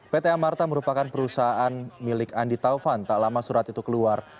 pt amarta merupakan perusahaan milik andi taufan tak lama surat itu keluar